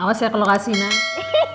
awas ya kalau kasihin lah